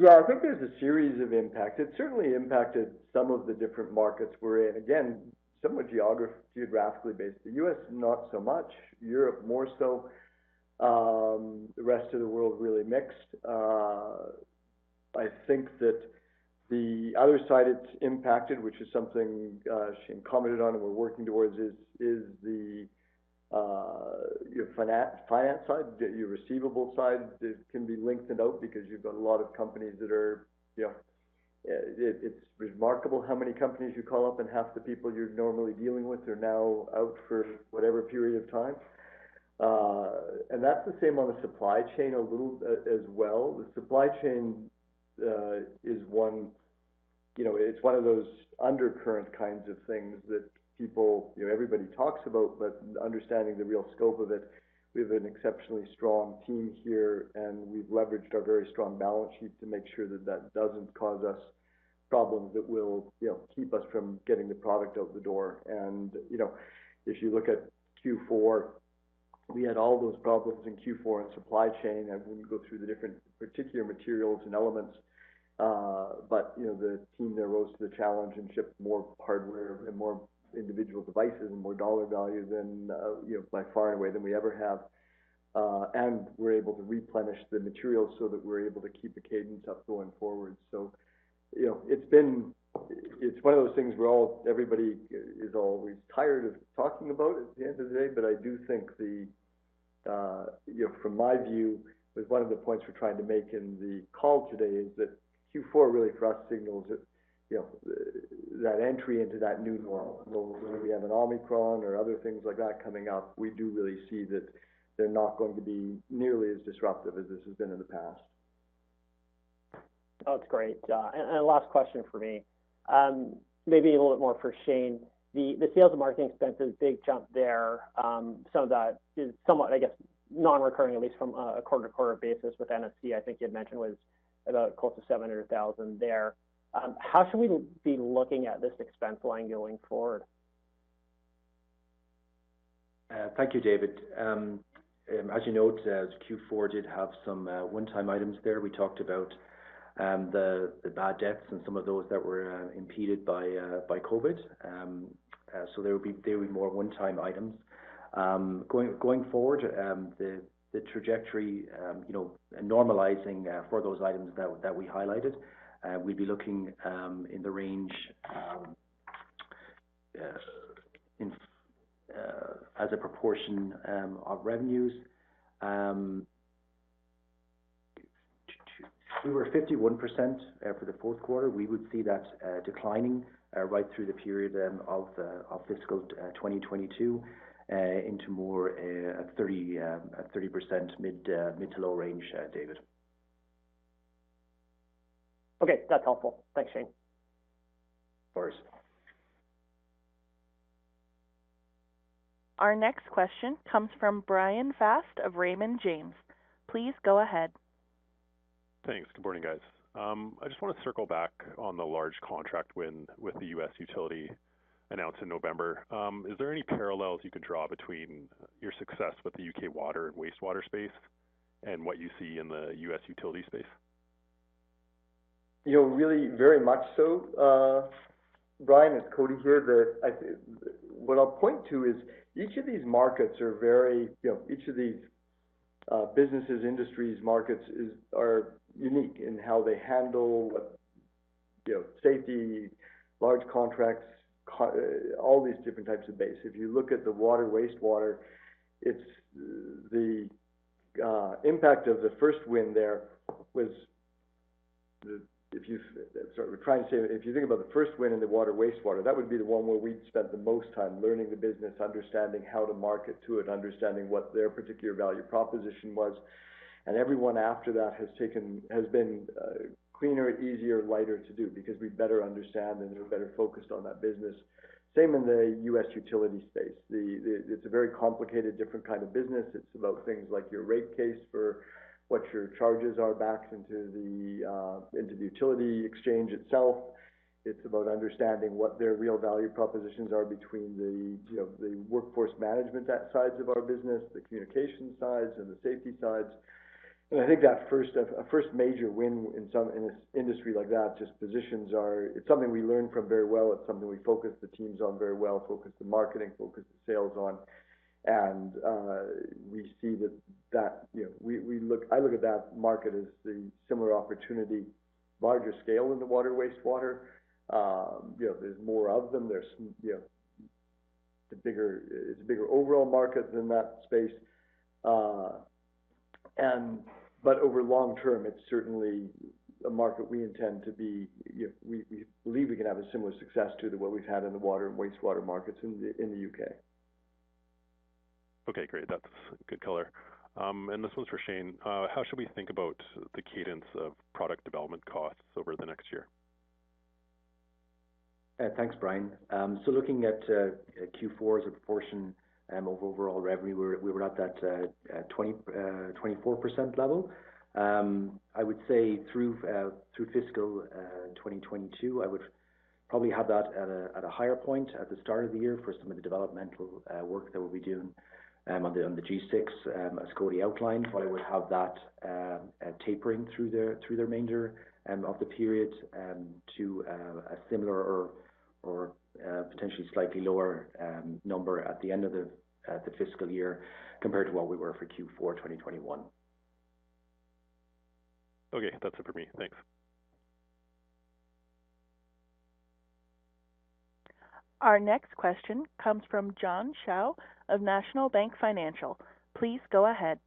Yeah, I think there's a series of impacts. It certainly impacted some of the different markets we're in. Again, somewhat geographically based. The U.S., not so much. Europe more so, the rest of the world really mixed. I think that the other side it's impacted, which is something Shane commented on and we're working towards is the your finance side, your receivable side can be lengthened out because you've got a lot of companies that are, you know. It's remarkable how many companies you call up and half the people you're normally dealing with are now out for whatever period of time. That's the same on the supply chain a little as well. The supply chain is one of those undercurrent kinds of things that people, you know, everybody talks about, but understanding the real scope of it, we have an exceptionally strong team here, and we've leveraged our very strong balance sheet to make sure that doesn't cause us problems that will, you know, keep us from getting the product out the door. If you look at Q4, we had all those problems in Q4 in supply chain, and when you go through the different particular materials and elements, you know, the team there rose to the challenge and shipped more hardware and more individual devices and more dollar value than, you know, by far and away than we ever have. We're able to replenish the materials so that we're able to keep the cadence up going forward. You know, it's been one of those things where everybody is always tired of talking about at the end of the day. I do think the, you know, from my view, one of the points we're trying to make in the call today is that Q4 really for us signals that, you know, that entry into that new normal, where when we have an Omicron or other things like that coming up, we do really see that they're not going to be nearly as disruptive as this has been in the past. That's great. Last question for me, maybe a little bit more for Shane. The sales and marketing expenses, big jump there, some of that is somewhat, I guess, non-recurring, at least from a quarter-to-quarter basis with NFC. I think you'd mentioned was about close to 700,000 there. How should we be looking at this expense line going forward? Thank you, David. As you note, Q4 did have some one-time items there. We talked about the bad debts and some of those that were impeded by COVID. There'll be more one-time items. Going forward, the trajectory, you know, normalizing for those items that we highlighted, we'd be looking in the range as a proportion of revenues. We were 51% for the fourth quarter. We would see that declining right through the period of fiscal 2022 into more 30% mid- to low-range, David. Okay, that's helpful. Thanks, Shane. Of course. Our next question comes from Bryan Fast of Raymond James. Please go ahead. Thanks. Good morning, guys. I just wanna circle back on the large contract win with the U.S. utility announced in November. Is there any parallels you could draw between your success with the U.K. water and wastewater space and what you see in the U.S. utility space? You know, really very much so. Bryan, it's Cody here. What I'll point to is each of these markets is unique in how they handle safety, large contracts, all these different types of basis. If you look at the water, wastewater, it's the impact of the first win there. If you think about the first win in the water, wastewater, that would be the one where we'd spent the most time learning the business, understanding how to market to it, understanding what their particular value proposition was. Every one after that has been cleaner, easier, lighter to do because we better understand and we're better focused on that business. Same in the U.S. utility space. It's a very complicated, different kind of business. It's about things like your rate case for what your charges are backed into the utility exchange itself. It's about understanding what their real value propositions are between the, you know, the workforce management sides of our business, the communication sides, and the safety sides. I think that a first major win in some industry like that just positions our. It's something we learn from very well. It's something we focus the teams on very well, focus the marketing, focus the sales on. We see that, you know, I look at that market as the similar opportunity, larger scale in the water, wastewater. You know, there's more of them. It's a bigger overall market than that space. Over long term, it's certainly a market we intend to be, you know. We believe we can have a similar success to what we've had in the water and wastewater markets in the U.K. Okay, great. That's good color. This one's for Shane. How should we think about the cadence of product development costs over the next year? Thanks, Bryan. Looking at Q4 as a proportion of overall revenue, we were at that 24% level. I would say through fiscal 2022, I would probably have that at a higher point at the start of the year for some of the developmental work that we'll be doing on the G6, as Cody outlined. Probably would have that tapering through the remainder of the period to a similar or potentially slightly lower number at the end of the fiscal year compared to what we were for Q4 2021. Okay. That's it for me. Thanks. Our next question comes from John Shao of National Bank Financial. Please go ahead.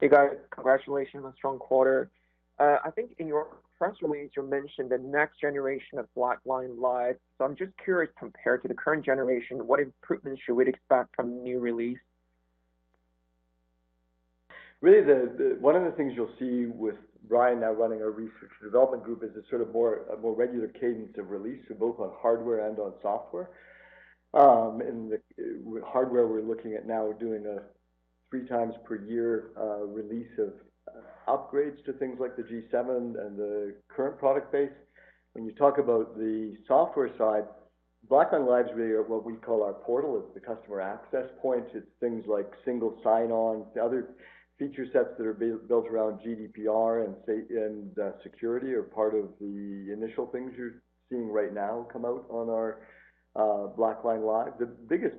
Hey, guys. Congratulations on strong quarter. I think in your press release you mentioned the next generation of Blackline Live. I'm just curious, compared to the current generation, what improvements should we expect from the new release? Really, one of the things you'll see with Bryan now running our research and development group is a more regular cadence of release both on hardware and on software. With hardware we're looking at now doing 3x per year release of upgrades to things like the G7 and the current product base. When you talk about the software side, Blackline Live is really what we call our portal. It's the customer access point. It's things like single sign-on to other feature sets that are built around GDPR and Sa- and security are part of the initial things you're seeing right now come out on our Blackline Live. The biggest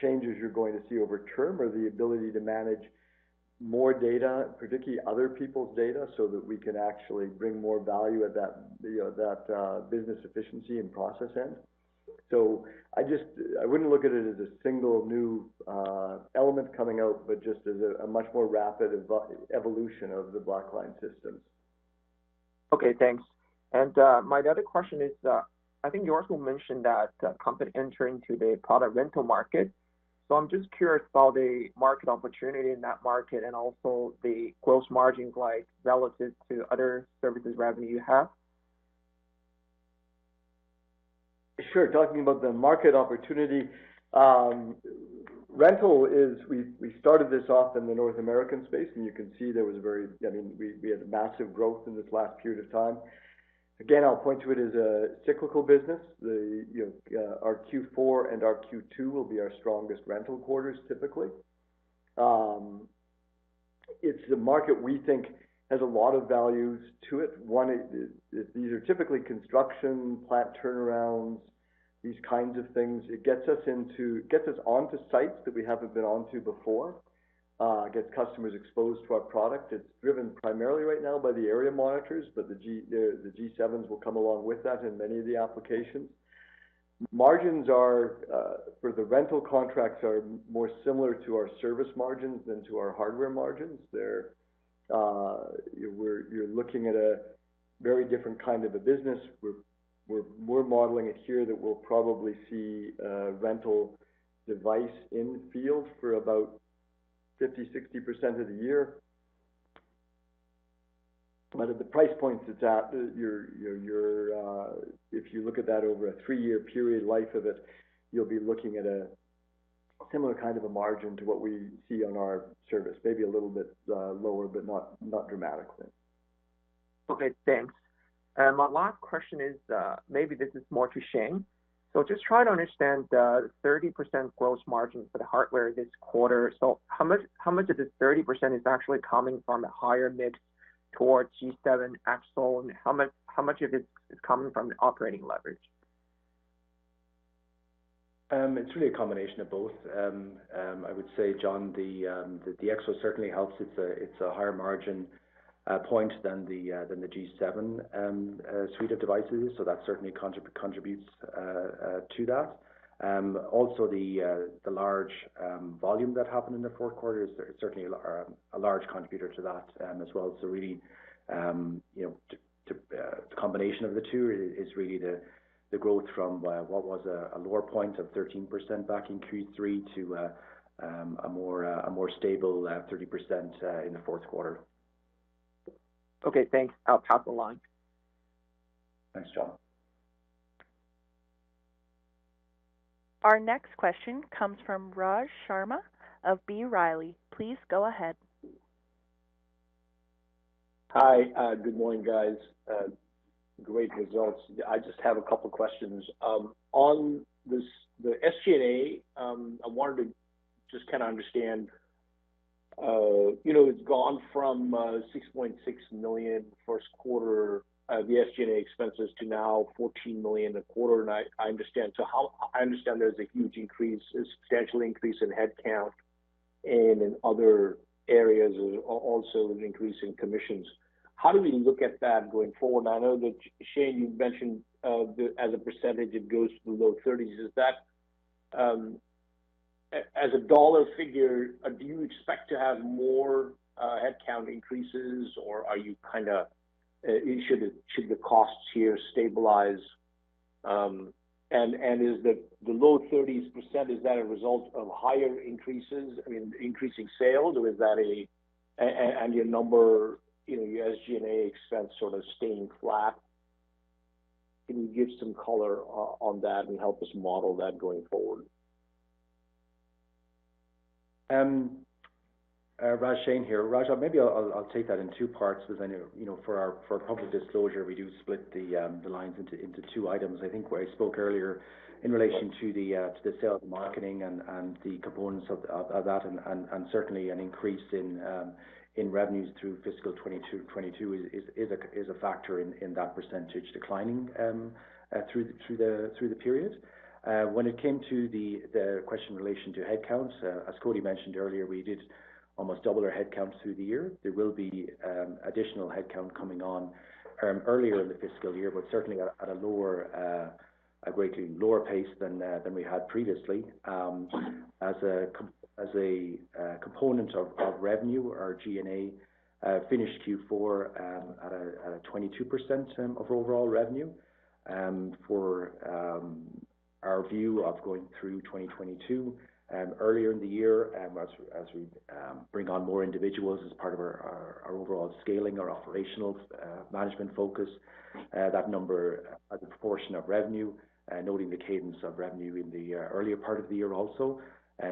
changes you're going to see over time are the ability to manage more data, particularly other people's data, so that we can actually bring more value at that, you know, business efficiency and process end. I wouldn't look at it as a single new element coming out, but just as a much more rapid evolution of the Blackline systems. Okay, thanks. My other question is, I think you also mentioned that the company entering into the product rental market. I'm just curious about the market opportunity in that market and also the gross margins like relative to other services revenue you have. Sure. Talking about the market opportunity, rental, we started this off in the North American space, and you can see there was I mean, we had massive growth in this last period of time. Again, I'll point to it as a cyclical business. Our Q4 and our Q2 will be our strongest rental quarters typically. It's a market we think has a lot of value to it. One is these are typically construction, plant turnarounds, these kinds of things. It gets us onto sites that we haven't been onto before, gets customers exposed to our product. It's driven primarily right now by the area monitors, but the G7s will come along with that in many of the applications. Margins are for the rental contracts are more similar to our service margins than to our hardware margins. They're looking at a very different kind of a business. We're modeling it here that we'll probably see a rental device in field for about 50%-60% of the year. At the price points it's at, if you look at that over a 3-year period life of it, you'll be looking at a similar kind of a margin to what we see on our service. Maybe a little bit lower, but not dramatically. Okay, thanks. My last question is, maybe this is more to Shane. Just trying to understand the 30% gross margin for the hardware this quarter. How much of this 30% is actually coming from the higher mix towards G7 EXO, and how much of it is coming from operating leverage? It's really a combination of both. I would say, John, the EXO certainly helps. It's a higher margin point than the G7 suite of devices. That certainly contributes to that. Also the large volume that happened in the fourth quarter is certainly a large contributor to that as well. Really, you know, the combination of the two is really the growth from what was a lower point of 13% back in Q3 to a more stable 30% in the fourth quarter. Okay, thanks. I'll pass along. Thanks, John. Our next question comes from Raj Sharma of B. Riley. Please go ahead. Hi. Good morning, guys. Great results. I just have a couple questions. On this, the SG&A, I wanted to just kind of understand, you know, it's gone from 6.6 million first quarter, the SG&A expenses to now 14 million a quarter, and I understand. I understand there's a huge increase, a substantial increase in headcount and in other areas, also an increase in commissions. How do we look at that going forward? I know that, Shane, you mentioned, as a percentage, it goes to the low 30s. Is that, as a dollar figure, do you expect to have more headcount increases, or are you kind of should the costs here stabilize? Is the low 30s percent a result of higher increases, I mean, increasing sales, or your number, you know, your SG&A expense sort of staying flat? Can you give some color on that and help us model that going forward? Raj, Shane here. Raj, maybe I'll take that in two parts because I know, you know, for public disclosure, we do split the lines into two items. I think where I spoke earlier in relation to the sales marketing and the components of that and certainly an increase in revenues through fiscal 2022 is a factor in that percentage declining through the period. When it came to the question in relation to headcount, as Cody mentioned earlier, we did almost double our headcounts through the year. There will be additional headcount coming on earlier in the fiscal year, but certainly at a greatly lower pace than we had previously. As a component of revenue, our G&A finished Q4 at 22% of overall revenue. For our view of going through 2022, earlier in the year and as we bring on more individuals as part of our overall scaling, our operational management focus, that number as a proportion of revenue, noting the cadence of revenue in the earlier part of the year also,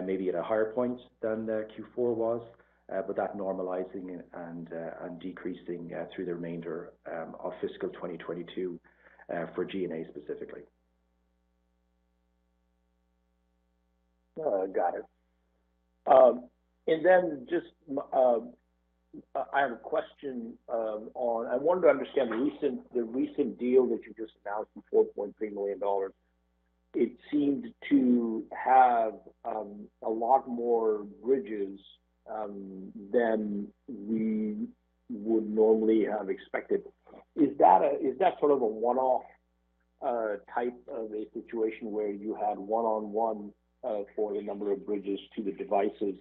maybe at a higher point than the Q4 was, but that normalizing and decreasing through the remainder of fiscal 2022, for G&A specifically. Got it. Just, I have a question. I wanted to understand the recent deal that you just announced for 4.3 million dollars. It seemed to have a lot more bridges than we would normally have expected. Is that sort of a one-off type of a situation where you had one-on-one for the number of bridges to the devices?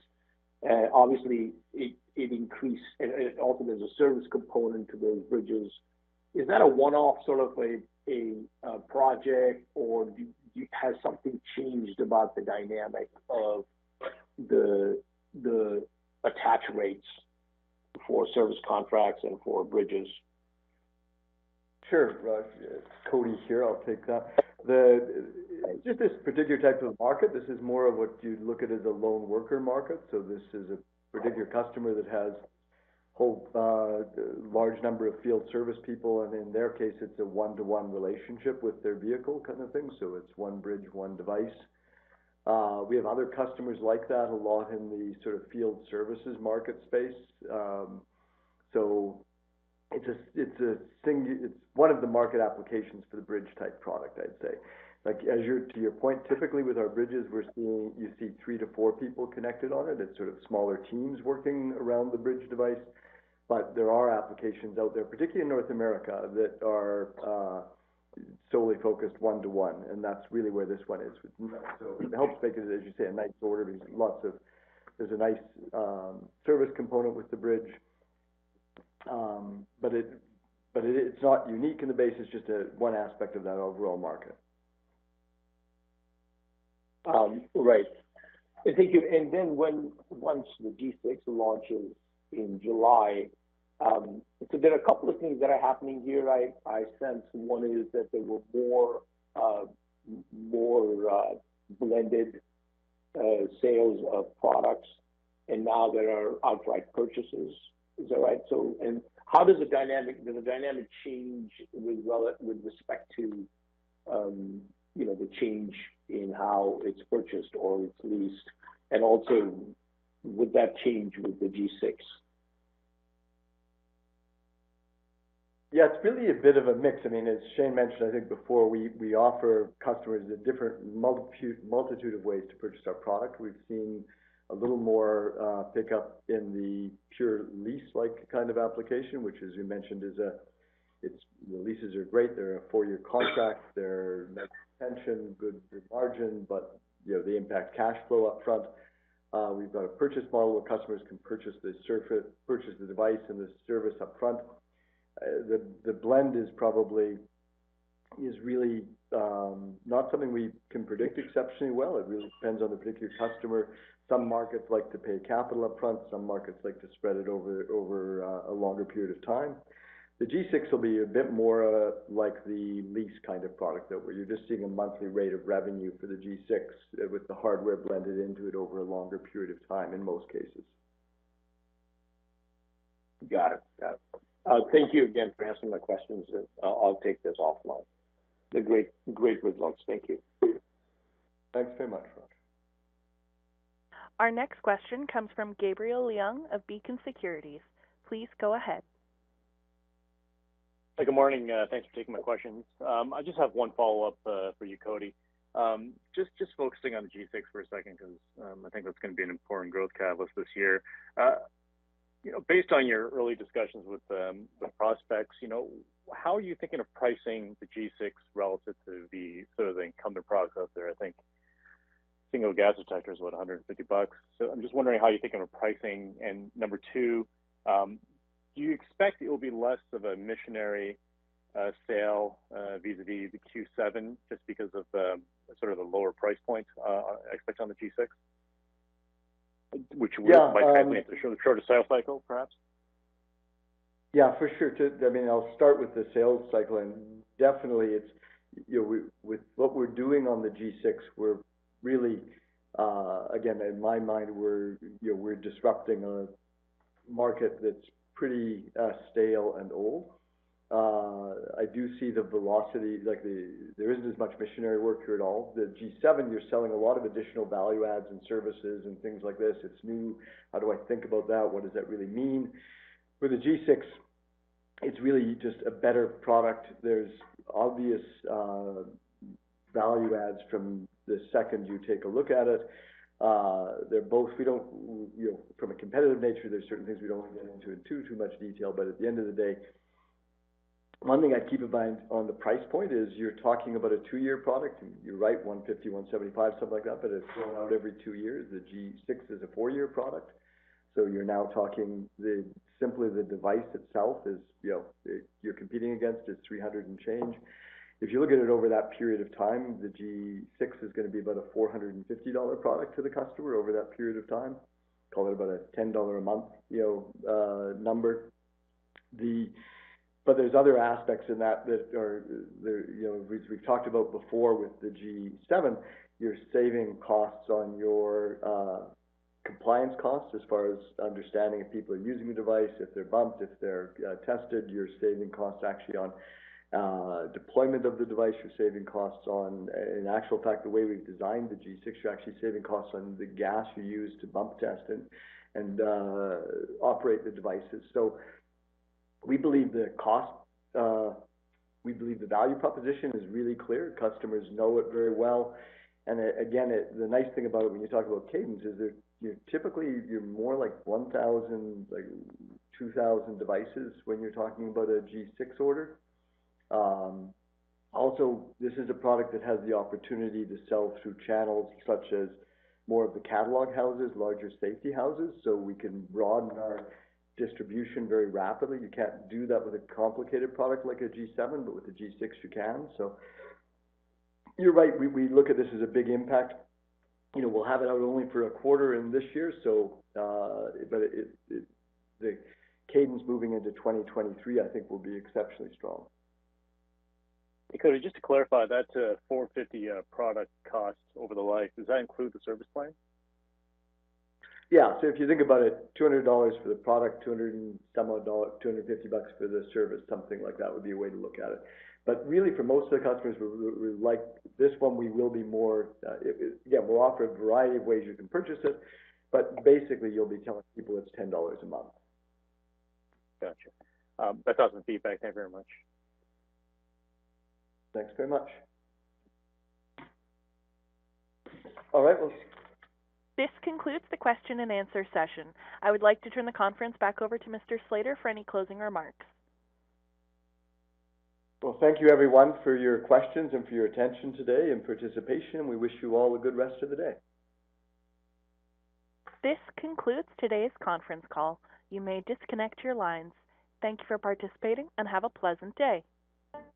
Obviously, it increased and also there's a service component to those bridges. Is that a one-off sort of a project, or has something changed about the dynamic of the attach rates for service contracts and for bridges? Sure, Raj. Cody here. I'll take that. Just this particular type of market, this is more of what you'd look at as a lone worker market. This is a particular customer that has whole large number of field service people, and in their case, it's a one-to-one relationship with their vehicle kind of thing. It's one bridge, one device. We have other customers like that a lot in the sort of field services market space. It's a, it's a thing, it's one of the market applications for the bridge type product, I'd say. Like, to your point, typically with our bridges, we're seeing you see three to four people connected on it. It's sort of smaller teams working around the bridge device. There are applications out there, particularly in North America, that are solely focused one-to-one, and that's really where this one is. It helps make it, as you say, a nice order because there's a nice service component with the bridge. It's not unique in the base. It's just one aspect of that overall market. Right. Thank you. Once the G6 launches in July, there are a couple of things that are happening here, I sense. One is that there were more blended sales of products, and now there are outright purchases. Is that right? How does the dynamic change with respect to, you know, the change in how it's purchased or it's leased? Also, would that change with the G6? Yeah, it's really a bit of a mix. I mean, as Shane mentioned, I think before we offer customers a different multitude of ways to purchase our product. We've seen a little more pickup in the pure lease-like kind of application, which as you mentioned, is great. The leases are great. They're a 4-year contract. They're net retention, good margin, but you know, they impact cash flow up front. We've got a purchase model where customers can purchase the device and the service up front. The blend is probably really not something we can predict exceptionally well. It really depends on the particular customer. Some markets like to pay capital up front, some markets like to spread it over a longer period of time. The G6 will be a bit more like the lease kind of product, that where you're just seeing a monthly rate of revenue for the G6, with the hardware blended into it over a longer period of time, in most cases. Got it. Thank you again for answering my questions. I'll take this offline. Great results. Thank you. Thanks very much, Raj. Our next question comes from Gabriel Leung of Beacon Securities. Please go ahead. Good morning. Thanks for taking my questions. I just have one follow-up for you, Cody. Just focusing on the G6 for a second because I think that's gonna be an important growth catalyst this year. You know, based on your early discussions with the prospects, you know, how are you thinking of pricing the G6 relative to the sort of the incumbent products out there? I think single gas detector is what, $150. I'm just wondering how you're thinking of pricing. Number two, do you expect it will be less of a missionary sale vis-a-vis the G7 just because of the sort of the lower price points I expect on the G6? Which will by the way ensure the shorter sales cycle, perhaps. Yeah, for sure. I mean, I'll start with the sales cycle, and definitely it's, you know, with what we're doing on the G6, we're really, again, in my mind, we're, you know, we're disrupting a market that's pretty stale and old. I do see the velocity, like there isn't as much missionary work here at all. The G7, you're selling a lot of additional value adds and services and things like this. It's new. How do I think about that? What does that really mean? For the G6, it's really just a better product. There's obvious value adds from the second you take a look at it. They're both. We don't, you know, from a competitive nature, there's certain things we don't want to get into in too much detail. At the end of the day, one thing I keep in mind on the price point is you're talking about a 2-year product. You're right, 150, 175, something like that, but it's thrown out every 2 years. The G6 is a 4-year product. So you're now talking simply the device itself is, you know, you're competing against, it's 300 and change. If you look at it over that period of time, the G6 is gonna be about a 450 dollar product to the customer over that period of time. Call it about a 10 dollar a month, you know, number. There's other aspects in that that are. They're, you know, we've talked about before with the G7. You're saving costs on your compliance costs as far as understanding if people are using the device, if they're bumped, if they're tested. You're saving costs actually on deployment of the device. In actual fact, the way we've designed the G6, you're actually saving costs on the gas you use to bump test and operate the devices. We believe the value proposition is really clear. Customers know it very well. Again, the nice thing about it when you talk about cadence is that you're typically more like 1,000, like 2,000 devices when you're talking about a G6 order. Also, this is a product that has the opportunity to sell through channels such as more of the catalog houses, larger safety houses, so we can broaden our distribution very rapidly. You can't do that with a complicated product like a G7, but with a G6, you can. You're right. We look at this as a big impact. You know, we'll have it out only for a quarter in this year, but it, the cadence moving into 2023, I think, will be exceptionally strong. Hey, Cody, just to clarify, that 450 product cost over the life, does that include the service plan? Yeah. If you think about it, 200 dollars for the product, CAD 200 and some odd dollars, 250 bucks for the service, something like that would be a way to look at it. Really, for most of the customers, we like this one, we will be more, it, again, we'll offer a variety of ways you can purchase it, but basically, you'll be telling people it's 10 dollars a month. Gotcha. That does the feedback. Thank you very much. Thanks very much. All right. Well. This concludes the question and answer session. I would like to turn the conference back over to Mr. Slater for any closing remarks. Well, thank you, everyone, for your questions and for your attention today and participation. We wish you all a good rest of the day. This concludes today's conference call. You may disconnect your lines. Thank you for participating, and have a pleasant day.